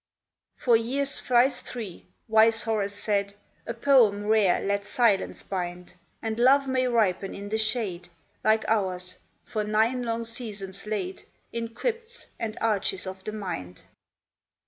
For years thrice three, wise Horace said, A poem rare let silence bind; And love may ripen in the shade, Like ours, for nine long seasons laid In crypts and arches of the mind.